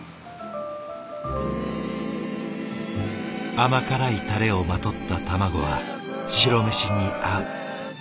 甘辛いタレをまとった卵は白飯に合う。